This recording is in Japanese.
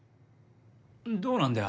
どうなんだよ？